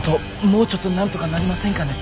もうちょっとなんとかなりませんかね？